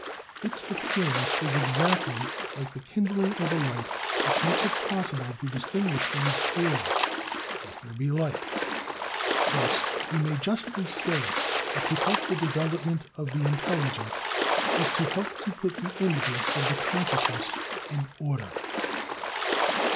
Its appearance is exactly like the kindling of a light which makes it possible to distinguish things clearly: "Let there be light." Thus we may justly say that to help the development of the intelligence is to help to put the images of the consciousness in order.